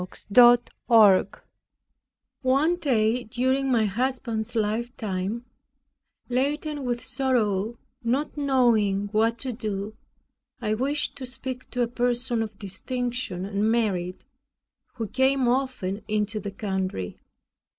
CHAPTER 26 One day during my husband's lifetime, laden with sorrow, not knowing what to do, I wished to speak to a person of distinction, and merit, who came often into the country.